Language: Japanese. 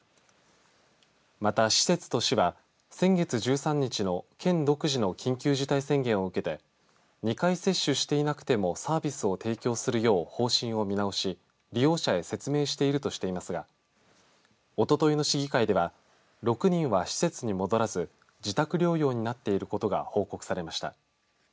また、施設と市は先月１３日の県独自の緊急事態宣言を受けて２回接種していなくてもサービスを提供するよう方針を見直し利用者へ説明しているとしていますがおとといの市議会では６人は施設に戻らず自宅療養になっていることが報告されました。